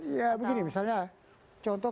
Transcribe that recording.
ya begini misalnya contoh